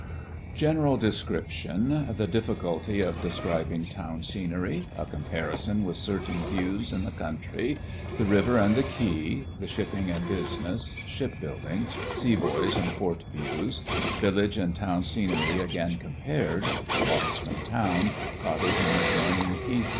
GENERAL DESCRIPTION. The Difficulty of describing Town Scenery A Comparison with certain Views in the Country The River and Quay The Shipping and Business Shipbuilding Sea Boys and Port Views Village and Town Scenery again compared Walks from Town Cottage and adjoining Heath, &c.